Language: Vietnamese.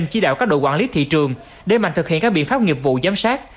chỉ đạo các đội quản lý thị trường để mạnh thực hiện các biện pháp nghiệp vụ giám sát